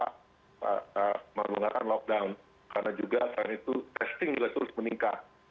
kita melakukan lockdown karena juga saat itu testing juga terus meningkat